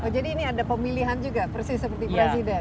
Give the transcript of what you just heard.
jadi ini ada pemilihan juga persis seperti presiden